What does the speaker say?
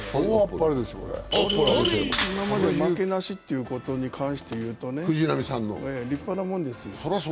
今まで負けなしということに関していうとね、立派なもんですよ。